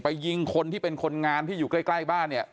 ยิงคนที่เป็นคนงานที่อยู่ใกล้บ้านเนี่ย